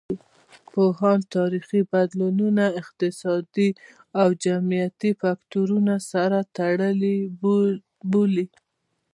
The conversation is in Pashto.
پوهان تاریخي بدلونونه اقتصادي او جمعیتي فکتورونو سره تړلي بولي.